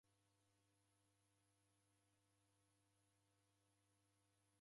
Kwabanda sana